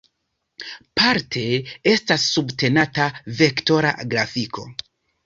Parte estas subtenata vektora grafiko.